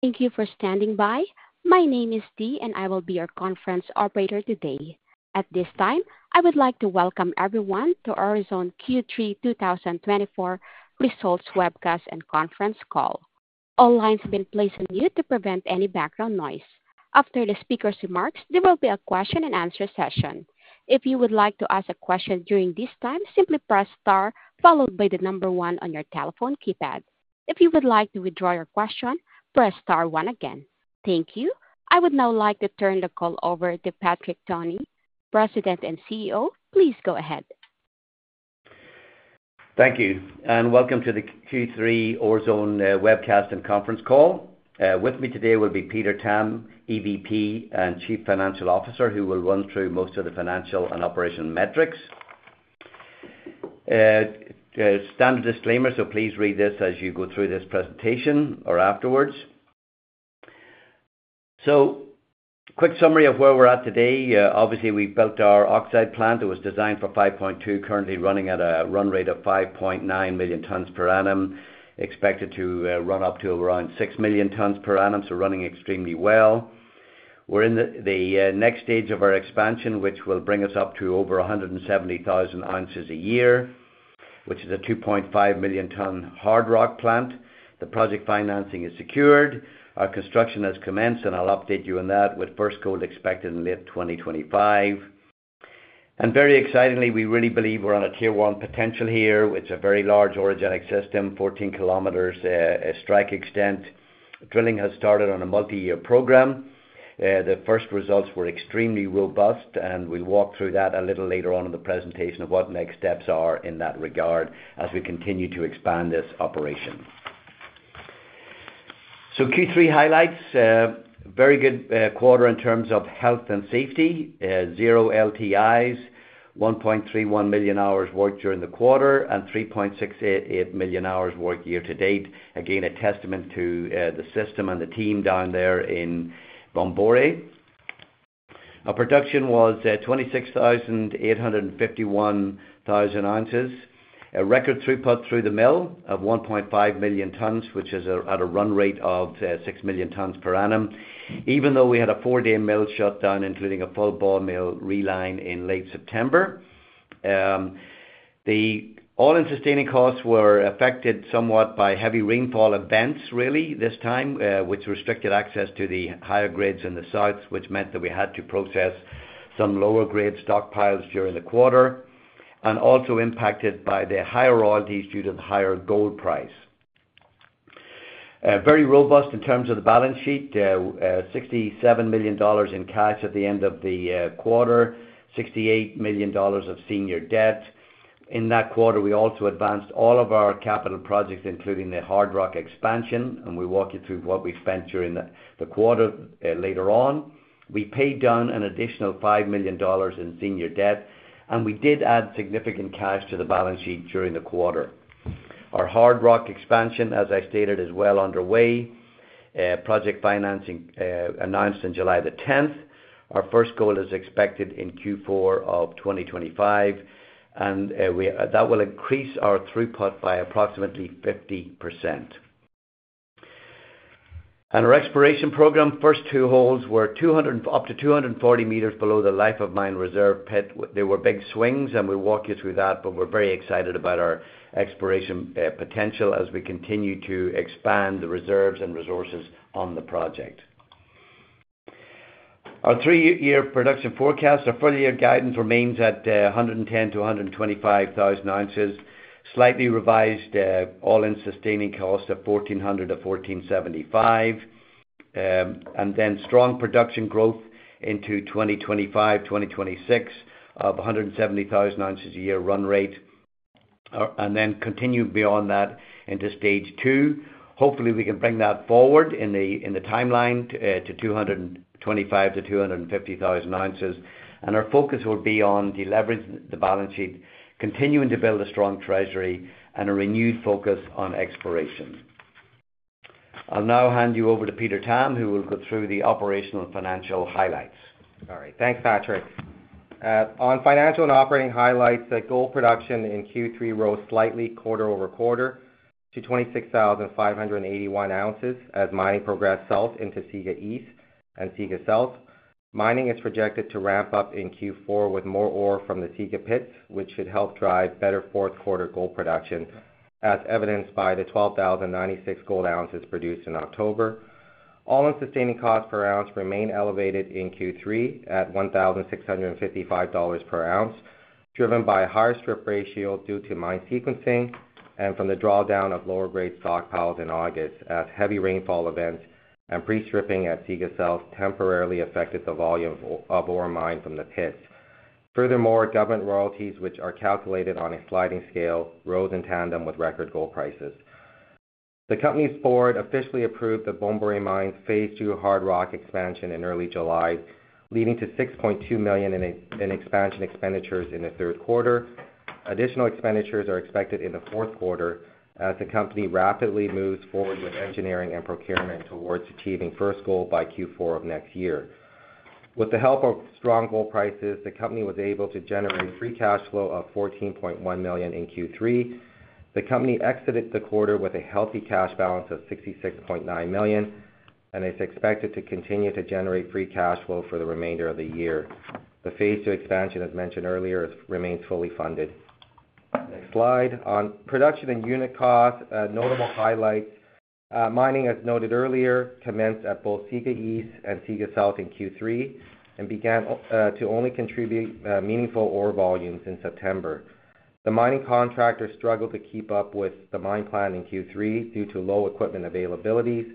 Thank you for standing by. My name is Dee, and I will be your conference operator today. At this time, I would like to welcome everyone to Orezone Q3 2024 results webcast and conference call. All lines have been placed on mute to prevent any background noise. After the speaker's remarks, there will be a question-and-answer session. If you would like to ask a question during this time, simply press star followed by the number one on your telephone keypad. If you would like to withdraw your question, press star one again. Thank you. I would now like to turn the call over to Patrick Downey, President and CEO. Please go ahead. Thank you, and welcome to the Q3 Orezone Webcast and Conference Call. With me today will be Peter Tam, EVP and Chief Financial Officer, who will run through most of the financial and operational metrics. Standard disclaimer, so please read this as you go through this presentation or afterwards. Quick summary of where we're at today. Obviously, we've built our oxide plant. It was designed for 5.2, currently running at a run rate of 5.9 million tons per annum. Expected to run up to around 6 million tons per annum, so running extremely well. We're in the next stage of our expansion, which will bring us up to over 170,000 ounces a year, which is a 2.5 million-ton hard rock plant. The project financing is secured. Our construction has commenced, and I'll update you on that with first gold expected in late 2025. Very excitingly, we really believe we're on a Tier 1 potential here. It's a very large ore zone system, 14 km strike extent. Drilling has started on a multi-year program. The first results were extremely robust, and we'll walk through that a little later on in the presentation of what next steps are in that regard as we continue to expand this operation. Q3 highlights: very good quarter in terms of health and safety, zero LTIs, 1.31 million hours worked during the quarter, and 3.68 million hours worked year to date. Again, a testament to the system and the team down there in Bombore. Our production was 26,851 ounces. A record throughput through the mill of 1.5 million tons, which is at a run rate of 6 million tons per annum, even though we had a four-day mill shutdown, including a full ball mill reline in late September. The all-in sustaining costs were affected somewhat by heavy rainfall events, really, this time, which restricted access to the higher grades in the south, which meant that we had to process some lower-grade stockpiles during the quarter, and also impacted by the higher royalties due to the higher gold price. Very robust in terms of the balance sheet: $67 million in cash at the end of the quarter, $68 million of senior debt. In that quarter, we also advanced all of our capital projects, including the hard rock expansion, and we'll walk you through what we spent during the quarter later on. We paid down an additional $5 million in senior debt, and we did add significant cash to the balance sheet during the quarter. Our hard rock expansion, as I stated, is well underway. Project financing announced on July the 10th. Our first gold is expected in Q4 of 2025, and that will increase our throughput by approximately 50%. Our exploration program, first two holes were up to 240 meters below the life of mine reserve pit. There were big swings, and we'll walk you through that, but we're very excited about our exploration potential as we continue to expand the reserves and resources on the project. Our three-year production forecast, our four-year guidance remains at 110-125,000 ounces, slightly revised AISC of $1,400-$1,475, and then strong production growth into 2025, 2026 of 170,000 ounces a year run rate, and then continue beyond that into Stage Two. Hopefully, we can bring that forward in the timeline to 225-250,000 ounces, and our focus will be on delivering the balance sheet, continuing to build a strong treasury, and a renewed focus on exploration. I'll now hand you over to Peter Tam, who will go through the operational and financial highlights. All right. Thanks, Patrick. On financial and operating highlights, the gold production in Q3 rose slightly quarter-over-quarter to 26,581 ounces as mining progressed south into Siga East and Siga South. Mining is projected to ramp up in Q4 with more ore from the Siga pits, which should help drive better fourth quarter gold production, as evidenced by the 12,096 gold ounces produced in October. All-in sustaining costs per ounce remain elevated in Q3 at $1,655 per ounce, driven by a higher strip ratio due to mine sequencing and from the drawdown of lower-grade stockpiles in August, as heavy rainfall events and pre-stripping at Siga South temporarily affected the volume of ore mined from the pits. Furthermore, government royalties, which are calculated on a sliding scale, rose in tandem with record gold prices. The company's board officially approved the Bombore mine's phase II hard rock expansion in early July, leading to $6.2 million in expansion expenditures in the third quarter. Additional expenditures are expected in the fourth quarter as the company rapidly moves forward with engineering and procurement towards achieving first gold by Q4 of next year. With the help of strong gold prices, the company was able to generate free cash flow of $14.1 million in Q3. The company exited the quarter with a healthy cash balance of $66.9 million, and it's expected to continue to generate free cash flow for the remainder of the year. The phase II expansion, as mentioned earlier, remains fully funded. Next slide. On production and unit costs, notable highlights. Mining, as noted earlier, commenced at both Siga East and Siga South in Q3 and began to only contribute meaningful ore volumes in September. The mining contractor struggled to keep up with the mine plan in Q3 due to low equipment availabilities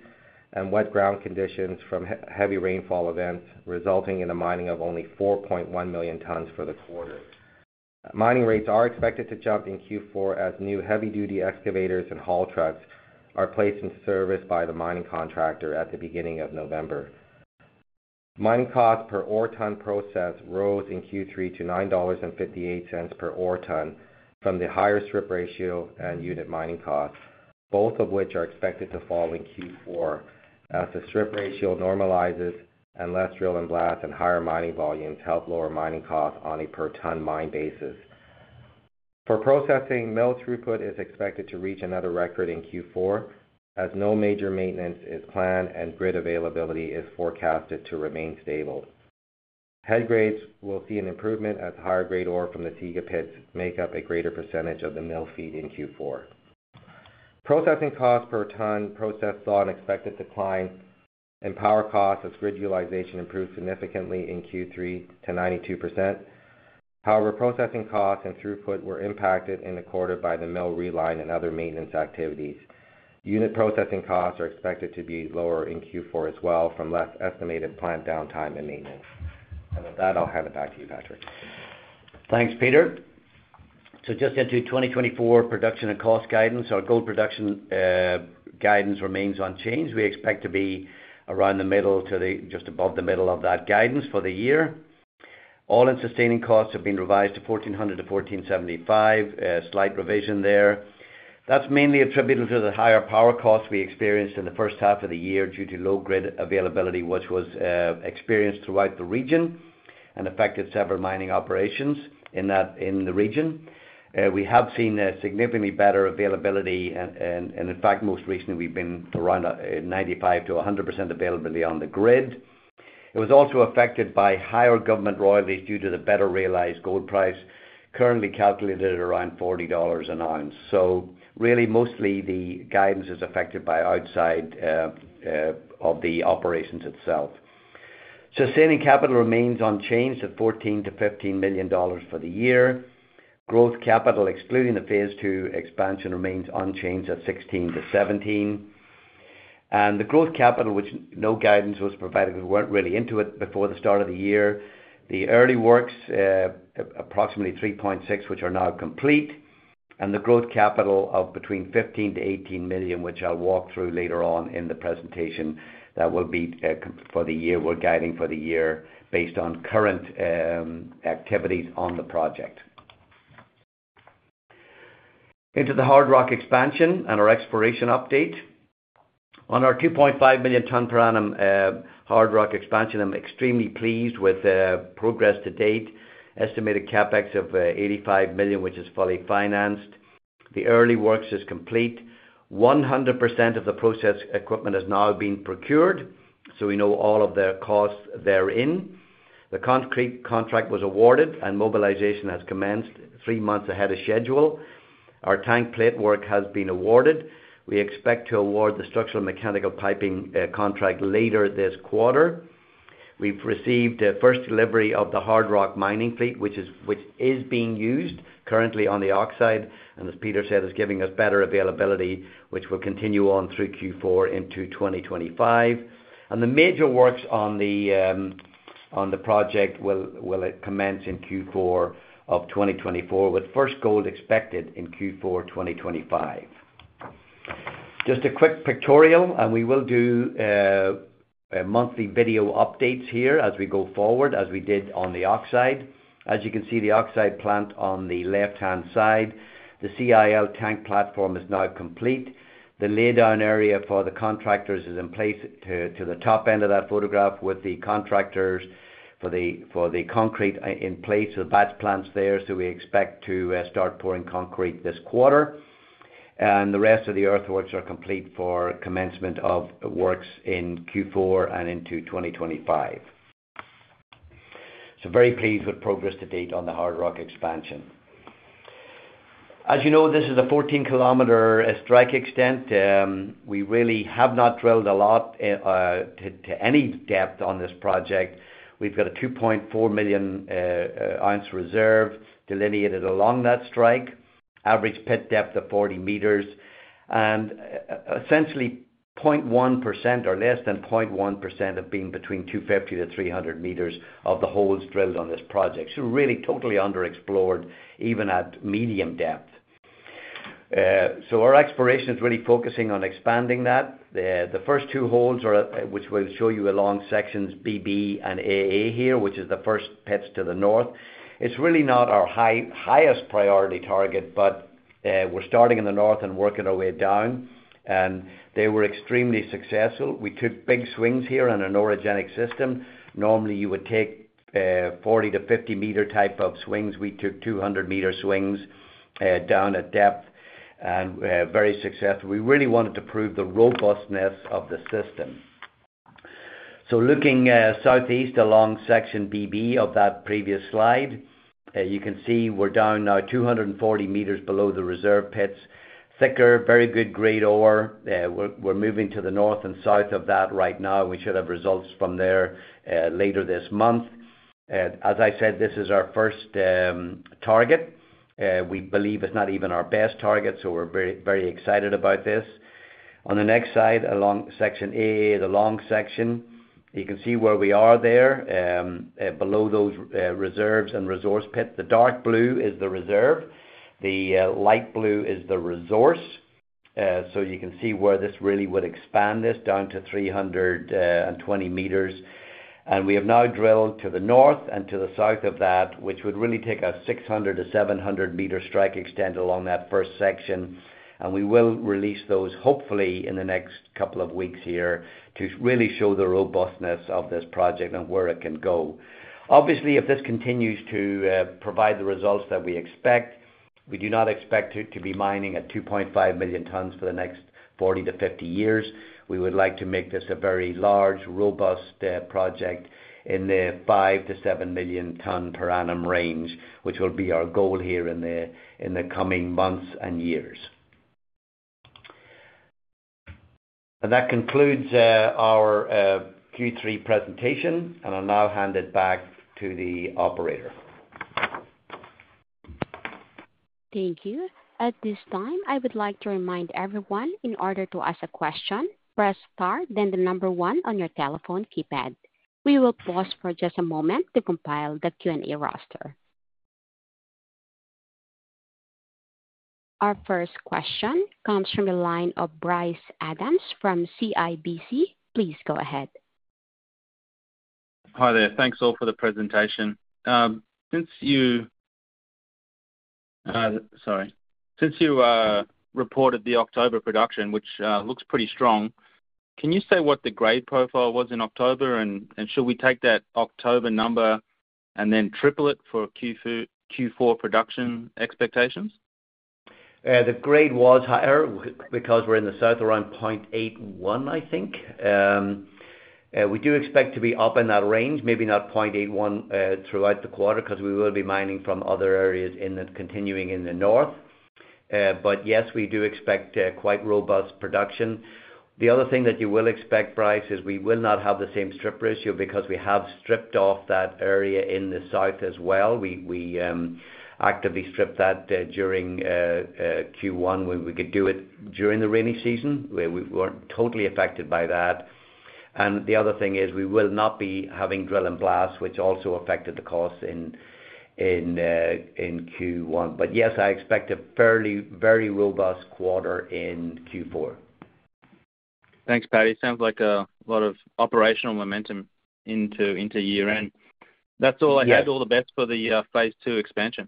and wet ground conditions from heavy rainfall events, resulting in a mining of only 4.1 million tons for the quarter. Mining rates are expected to jump in Q4 as new heavy-duty excavators and haul trucks are placed into service by the mining contractor at the beginning of November. Mining costs per ore ton process rose in Q3 to $9.58 per ore ton from the higher strip ratio and unit mining costs, both of which are expected to fall in Q4 as the strip ratio normalizes and less drill and blast and higher mining volumes help lower mining costs on a per-ton mine basis. For processing, mill throughput is expected to reach another record in Q4 as no major maintenance is planned and grid availability is forecasted to remain stable. Head grades will see an improvement as higher grade ore from the Siga pits make up a greater percentage of the mill feed in Q4. Processing costs per ton processed saw an expected decline in power costs as grid utilization improved significantly in Q3 to 92%. However, processing costs and throughput were impacted in the quarter by the mill reline and other maintenance activities, and with that, I'll hand it back to you, Patrick. Thanks, Peter, so just into 2024, production and cost guidance, our gold production guidance remains unchanged. We expect to be around the middle to just above the middle of that guidance for the year. AISC and sustaining costs have been revised to $1,400-$1,475, a slight revision there. That's mainly attributed to the higher power costs we experienced in the first half of the year due to low grid availability, which was experienced throughout the region and affected several mining operations in the region. We have seen significantly better availability, and in fact, most recently, we've been around 95%-100% availability on the grid. It was also affected by higher government royalties due to the better realized gold price, currently calculated at around $40 an ounce. So really, mostly the guidance is affected by outside of the operations itself. Sustaining capital remains unchanged at $14-$15 million for the year. Growth capital, excluding the phase II expansion, remains unchanged at $16-$17 million, and the growth capital, which no guidance was provided, we weren't really into it before the start of the year. The early works, approximately $3.6 million, which are now complete, and the growth capital of between $15-$18 million, which I'll walk through later on in the presentation, that will be for the year. We're guiding for the year based on current activities on the project. Into the hard rock expansion and our exploration update. On our 2.5 million ton per annum hard rock expansion, I'm extremely pleased with progress to date. Estimated CapEx of $85 million, which is fully financed. The early works is complete. 100% of the process equipment has now been procured, so we know all of the costs therein. The concrete contract was awarded, and mobilization has commenced three months ahead of schedule. Our tank plate work has been awarded. We expect to award the structural mechanical piping contract later this quarter. We've received the first delivery of the hard rock mining fleet, which is being used currently on the oxide, and as Peter said, it's giving us better availability, which will continue on through Q4 into 2025. And the major works on the project will commence in Q4 of 2024, with first gold expected in Q4 2025. Just a quick pictorial, and we will do monthly video updates here as we go forward, as we did on the oxide. As you can see, the oxide plant on the left-hand side, the CIL tank platform is now complete. The lay-down area for the contractors is in place to the top end of that photograph with the contractors for the concrete in place with batch plants there, so we expect to start pouring concrete this quarter. And the rest of the earthworks are complete for commencement of works in Q4 and into 2025. So very pleased with progress to date on the hard rock expansion. As you know, this is a 14-kilometer strike extent. We really have not drilled a lot to any depth on this project. We've got a 2.4 million ounce reserve delineated along that strike, average pit depth of 40 meters, and essentially 0.1% or less than 0.1% have been between 250 to 300 meters of the holes drilled on this project. So really totally underexplored, even at medium depth. So our exploration is really focusing on expanding that. The first two holes, which we'll show you along sections BB and AA here, which is the first pits to the north, it's really not our highest priority target, but we're starting in the north and working our way down, and they were extremely successful. We took big swings here in an ore zone system. Normally, you would take 40-50-meter type of swings. We took 200-meter swings down at depth and very successful. We really wanted to prove the robustness of the system. So looking southeast along section BB of that previous slide, you can see we're down now 240 meters below the reserve pits, thicker, very good grade ore. We're moving to the north and south of that right now. We should have results from there later this month. As I said, this is our first target. We believe it's not even our best target, so we're very excited about this. On the next slide, along section AA, the long section, you can see where we are there below those reserves and resources pits. The dark blue is the reserves. The light blue is the resources. So you can see where this really would expand this down to 320 meters, and we have now drilled to the north and to the south of that, which would really take a 600-700-meter strike extent along that first section, and we will release those, hopefully, in the next couple of weeks here to really show the robustness of this project and where it can go. Obviously, if this continues to provide the results that we expect, we do not expect to be mining at 2.5 million tons for the next 40-50 years. We would like to make this a very large, robust project in the 5-7 million tons per annum range, which will be our goal here in the coming months and years. That concludes our Q3 presentation, and I'll now hand it back to the operator. Thank you. At this time, I would like to remind everyone, in order to ask a question, press star, then the number one on your telephone keypad. We will pause for just a moment to compile the Q&A roster. Our first question comes from the line of Bryce Adams from CIBC. Please go ahead. Hi there. Thanks all for the presentation. Since you reported the October production, which looks pretty strong, can you say what the grade profile was in October, and should we take that October number and then triple it for Q4 production expectations? The grade was higher because we're in the south around 0.81, I think. We do expect to be up in that range, maybe not 0.81 throughout the quarter because we will be mining from other areas continuing in the north. But yes, we do expect quite robust production. The other thing that you will expect, Bryce, is we will not have the same strip ratio because we have stripped off that area in the south as well. We actively stripped that during Q1 when we could do it during the rainy season. We weren't totally affected by that. And the other thing is we will not be having drill and blast, which also affected the costs in Q1. But yes, I expect a fairly very robust quarter in Q4. Thanks, Patty. Sounds like a lot of operational momentum into year-end. That's all. I hope all the best for the phase II expansion.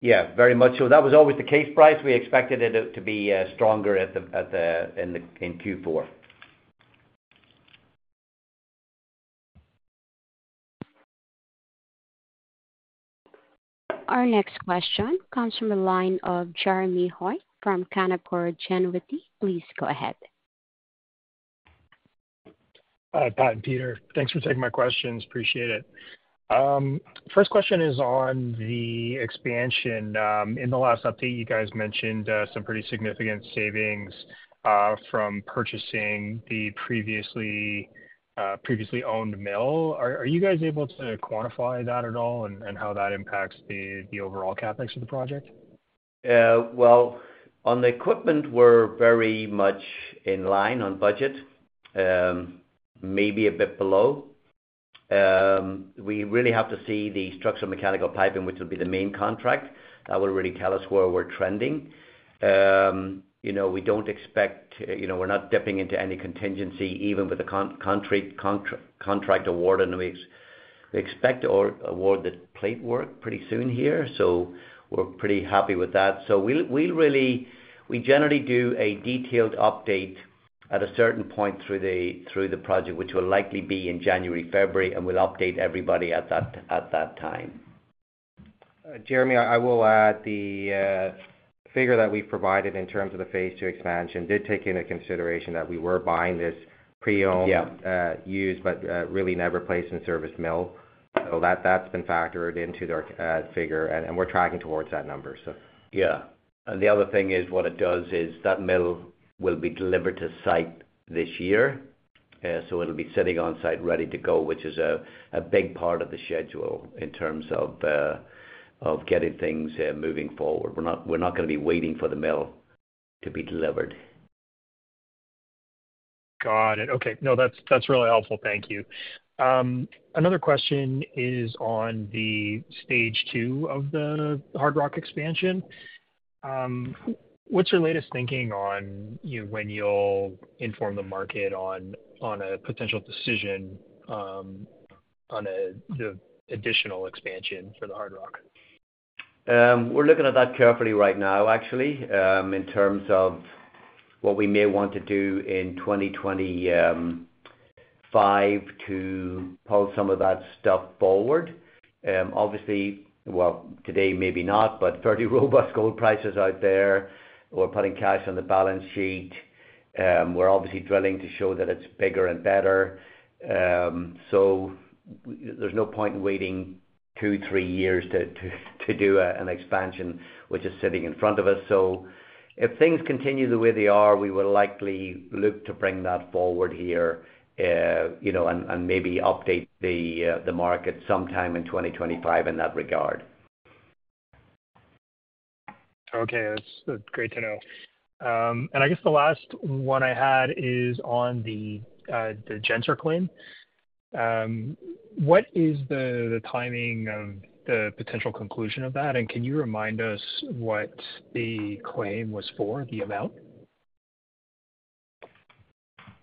Yeah, very much so. That was always the case, Bryce. We expected it to be stronger in Q4. Our next question comes from the line of Jeremy Hoy from Canaccord Genuity. Please go ahead. Hi, Patrick and Peter. Thanks for taking my questions. Appreciate it. First question is on the expansion. In the last update, you guys mentioned some pretty significant savings from purchasing the previously owned mill. Are you guys able to quantify that at all and how that impacts the overall CapEx of the project? On the equipment, we're very much in line on budget, maybe a bit below. We really have to see the structural mechanical piping, which will be the main contract. That will really tell us where we're trending. We don't expect we're not dipping into any contingency even with the contract award. And we expect to award the plate work pretty soon here. We're pretty happy with that. We generally do a detailed update at a certain point through the project, which will likely be in January, February, and we'll update everybody at that time. Jeremy, I will add the figure that we've provided in terms of the phase II expansion did take into consideration that we were buying this pre-owned, used, but really never placed in service mill. So that's been factored into the figure, and we're tracking towards that number, so. Yeah. And the other thing is what it does is that mill will be delivered to site this year. So it'll be sitting on site ready to go, which is a big part of the schedule in terms of getting things moving forward. We're not going to be waiting for the mill to be delivered. Got it. Okay. No, that's really helpful. Thank you. Another question is on the Stage Two of the hard rock expansion. What's your latest thinking on when you'll inform the market on a potential decision on the additional expansion for the hard rock? We're looking at that carefully right now, actually, in terms of what we may want to do in 2025 to pull some of that stuff forward. Obviously, well, today maybe not, but fairly robust gold prices out there. We're putting cash on the balance sheet. We're obviously drilling to show that it's bigger and better. So there's no point in waiting two, three years to do an expansion, which is sitting in front of us. So if things continue the way they are, we will likely look to bring that forward here and maybe update the market sometime in 2025 in that regard. Okay. That's great to know. And I guess the last one I had is on the Genser claim. What is the timing of the potential conclusion of that? And can you remind us what the claim was for, the amount?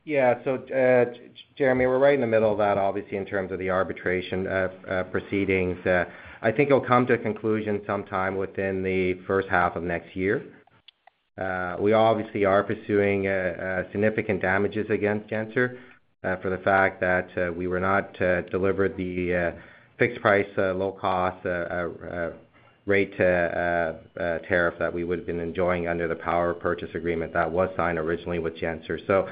Yeah. So Jeremy, we're right in the middle of that, obviously, in terms of the arbitration proceedings. I think it'll come to a conclusion sometime within the first half of next year. We obviously are pursuing significant damages against Genser for the fact that we were not delivered the fixed price, low-cost rate tariff that we would have been enjoying under the power purchase agreement that was signed originally with Genser. So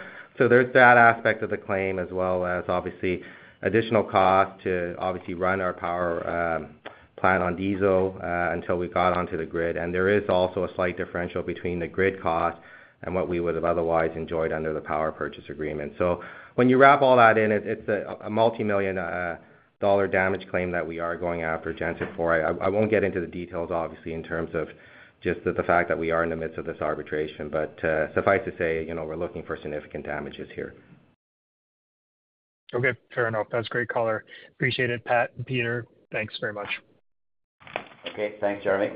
there's that aspect of the claim as well as obviously additional cost to obviously run our power plant on diesel until we got onto the grid. And there is also a slight differential between the grid cost and what we would have otherwise enjoyed under the power purchase agreement. So when you wrap all that in, it's a multi-million-dollar damage claim that we are going after Genser for. I won't get into the details, obviously, in terms of just the fact that we are in the midst of this arbitration, but suffice to say, we're looking for significant damages here. Okay. Fair enough. That's great color. Appreciate it, Pat and Peter. Thanks very much. Okay. Thanks, Jeremy.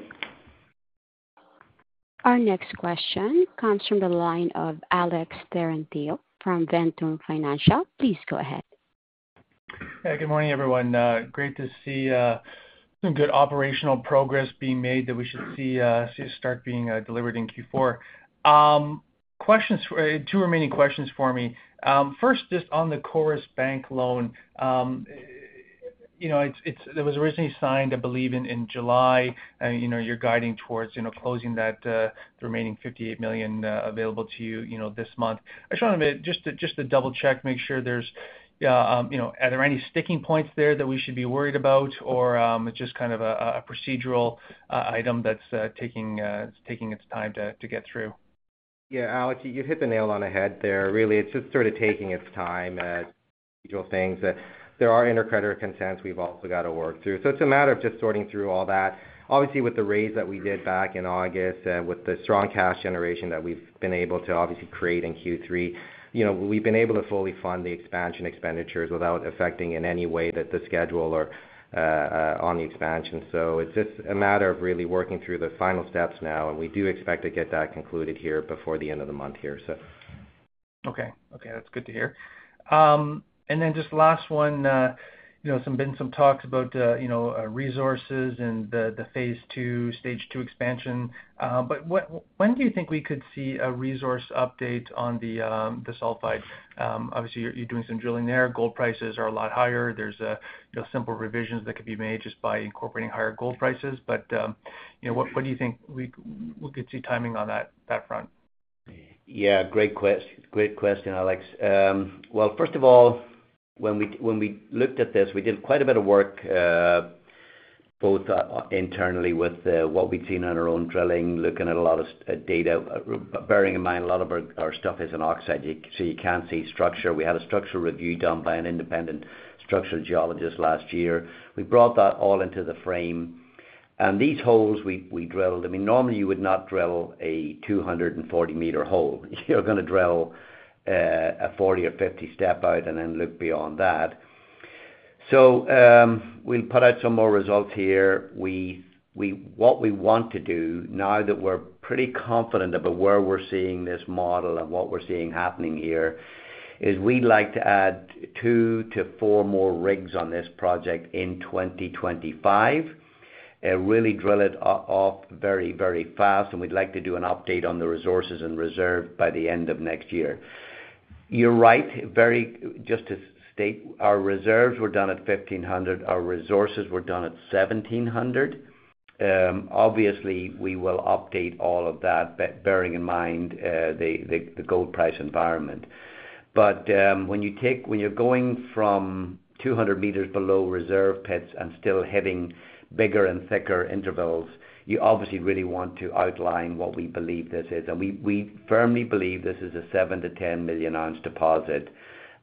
Our next question comes from the line of Alex Terentiew from Ventum Financial. Please go ahead. Hey, good morning, everyone. Great to see some good operational progress being made that we should see start being delivered in Q4. Two remaining questions for me. First, just on the Coris Bank loan, it was originally signed, I believe, in July. You're guiding towards closing that remaining $58 million available to you this month. I just wanted to just double-check, make sure there are any sticking points there that we should be worried about, or it's just kind of a procedural item that's taking its time to get through? Yeah, Alex, you hit the nail on the head there. Really, it's just sort of taking its time as usual things. There are intercreditor consents we've also got to work through. So it's a matter of just sorting through all that. Obviously, with the raise that we did back in August and with the strong cash generation that we've been able to obviously create in Q3, we've been able to fully fund the expansion expenditures without affecting in any way the schedule or on the expansion. So it's just a matter of really working through the final steps now, and we do expect to get that concluded here before the end of the month here, so. Okay. Okay. That's good to hear. And then just last one, there's been some talks about resources and the phase II, Stage Two expansion. But when do you think we could see a resource update on the sulphide? Obviously, you're doing some drilling there. Gold prices are a lot higher. There's simple revisions that could be made just by incorporating higher gold prices. But what do you think we could see timing on that front? Yeah. Great question, Alex. Well, first of all, when we looked at this, we did quite a bit of work both internally with what we'd seen on our own drilling, looking at a lot of data, bearing in mind a lot of our stuff is in oxide, so you can't see structure. We had a structural review done by an independent structural geologist last year. We brought that all into the frame, and these holes we drilled, I mean, normally you would not drill a 240-meter hole. You're going to drill a 40 or 50 step out and then look beyond that. So we'll put out some more results here. What we want to do, now that we're pretty confident about where we're seeing this model and what we're seeing happening here, is we'd like to add two to four more rigs on this project in 2025 and really drill it off very, very fast, and we'd like to do an update on the resources and reserve by the end of next year. You're right. Just to state, our reserves were done at 1,500. Our resources were done at 1,700. Obviously, we will update all of that, bearing in mind the gold price environment, but when you're going from 200 meters below reserve pits and still hitting bigger and thicker intervals, you obviously really want to outline what we believe this is, and we firmly believe this is a 7-10 million ounce deposit.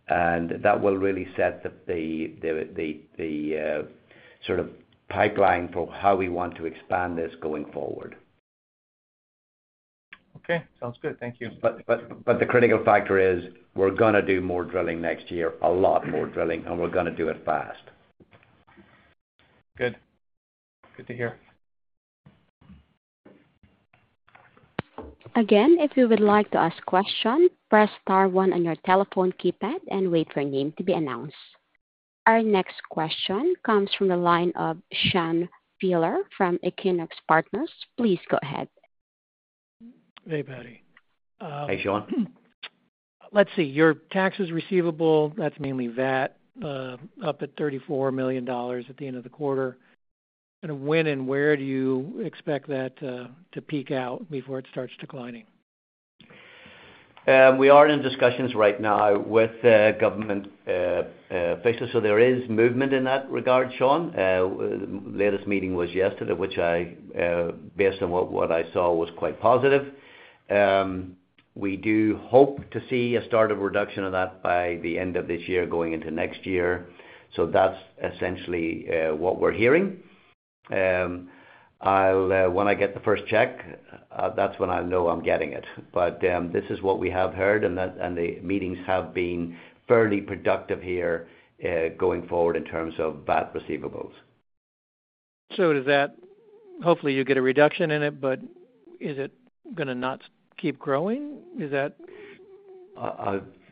That will really set the sort of pipeline for how we want to expand this going forward. Okay. Sounds good. Thank you. But the critical factor is we're going to do more drilling next year, a lot more drilling, and we're going to do it fast. Good. Good to hear. Again, if you would like to ask a question, press star one on your telephone keypad and wait for your name to be announced. Our next question comes from the line of Sean Fieler from Equinox Partners. Please go ahead. Hey, Patty. Hey, Sean. Let's see. Your taxes receivable. That's mainly VAT, up at $34 million at the end of the quarter. Kind of when and where do you expect that to peak out before it starts declining? We are in discussions right now with government officials, so there is movement in that regard, Sean. Latest meeting was yesterday, which, based on what I saw, was quite positive. We do hope to see a start of reduction of that by the end of this year, going into next year, so that's essentially what we're hearing. When I get the first check, that's when I'll know I'm getting it, but this is what we have heard, and the meetings have been fairly productive here going forward in terms of VAT receivables. So hopefully you get a reduction in it, but is it going to not keep growing? Is that?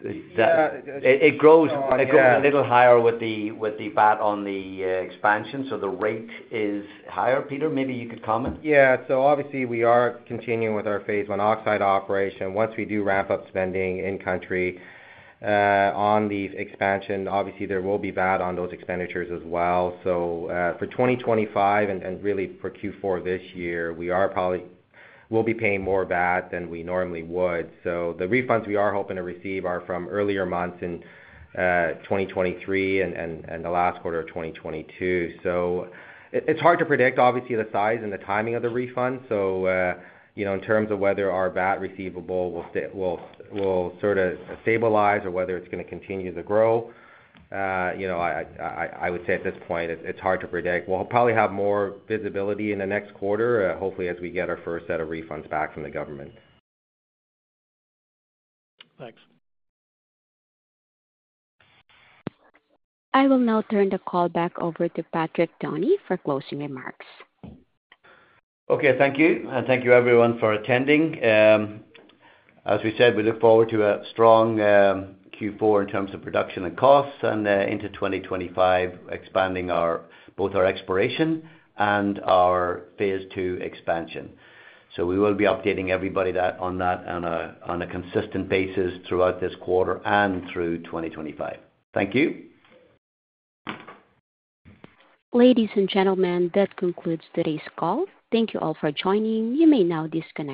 It grows a little higher with the VAT on the expansion. So the rate is higher, Peter? Maybe you could comment. Yeah. So obviously, we are continuing with our phase I oxide operation. Once we do ramp up spending in-country on the expansion, obviously, there will be VAT on those expenditures as well. So for 2025 and really for Q4 this year, we'll be paying more VAT than we normally would. So the refunds we are hoping to receive are from earlier months in 2023 and the last quarter of 2022. So it's hard to predict, obviously, the size and the timing of the refund. So in terms of whether our VAT receivable will sort of stabilize or whether it's going to continue to grow, I would say at this point, it's hard to predict. We'll probably have more visibility in the next quarter, hopefully as we get our first set of refunds back from the government. Thanks. I will now turn the call back over to Patrick Downey for closing remarks. Okay. Thank you. And thank you, everyone, for attending. As we said, we look forward to a strong Q4 in terms of production and costs and into 2025, expanding both our exploration and our phase II expansion. So we will be updating everybody on that on a consistent basis throughout this quarter and through 2025. Thank you. Ladies and gentlemen, that concludes today's call. Thank you all for joining. You may now disconnect.